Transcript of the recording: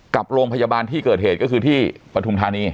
กับโรงพยาบาลที่เกิดเหตุก็คือที่ปฐุมธานี